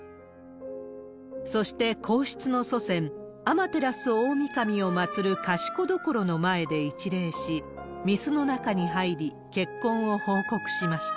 そして、皇室の祖先、天照大神を祭る賢所の前で一礼し、みすの中に入り、結婚を報告しました。